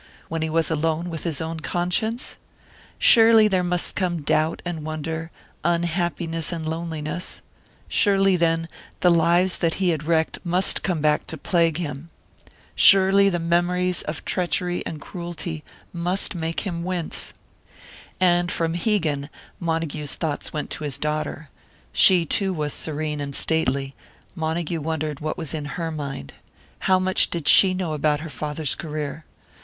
When he was alone with his own conscience? Surely there must come doubt and wonder, unhappiness and loneliness! Surely, then, the lives that he had wrecked must come back to plague him! Surely the memories of treachery and cruelty must make him wince! And from Hegan, Montague's thoughts went to his daughter. She, too, was serene and stately; Montague wondered what was in her mind. How much did she know about her father's career?